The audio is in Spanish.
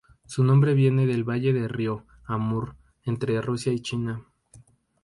Su nombre viene del valle del río Amur entre Rusia y China.